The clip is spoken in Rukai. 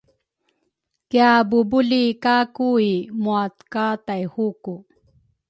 kiabubuli kay Kui mua ka Taihuku.